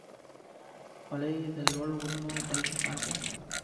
خولۍ د لوړو غرونو خلکو خاصه ده.